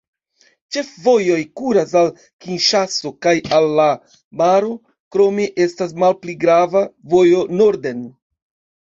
Ĉefvojoj kuras al Kinŝaso kaj al la maro, krome estas malpli grava vojo norden.